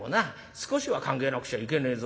少しは考えなくちゃいけねえぞ。